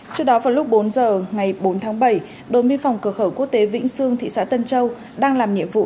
trước đó vào lúc bốn giờ ngày bốn tháng bảy đội biên phòng cửa khẩu quốc tế vĩnh sương thị xã tân châu đang làm nhiệm vụ